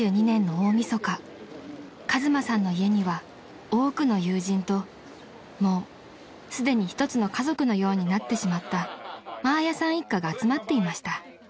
［大晦日和真さんの家には多くの友人ともうすでにひとつの家族のようになってしまったマーヤさん一家が集まっていました］